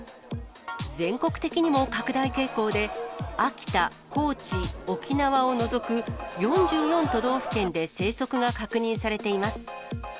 全国的にも拡大傾向で、秋田、高知、沖縄を除く４４都道府県で生息が確認されています。